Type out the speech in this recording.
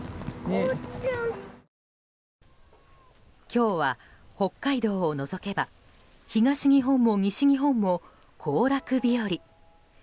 今日は北海道を除けば東日本も西日本も行楽日和。